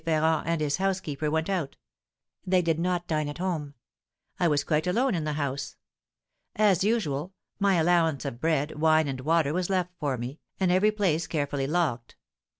Ferrand and his housekeeper went out. They did not dine at home. I was quite alone in the house. As usual, my allowance of bread, wine, and water was left for me, and every place carefully locked.